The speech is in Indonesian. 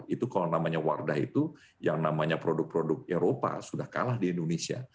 itu kalau namanya wardah itu yang namanya produk produk eropa sudah kalah di indonesia